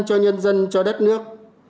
cho nhân dân cho đất nước